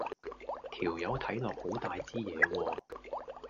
條友睇落好大枝野喎